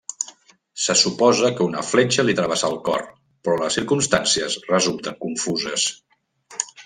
Se suposa que una fletxa li travessà el cor, però les circumstàncies resulten confuses.